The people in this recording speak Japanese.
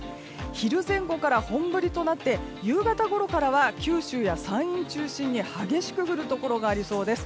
昼前後から本降りとなって夕方ごろからは九州や山陰中心に激しく降るところがありそうです。